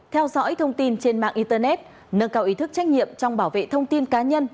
theo dõi thông tin trên mạng internet nâng cao ý thức trách nhiệm trong bảo vệ thông tin cá nhân